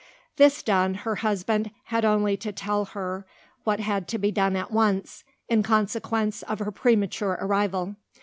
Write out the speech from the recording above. This done, her husband had only to tell her what had to be done at once, in consequence of her premature arrival.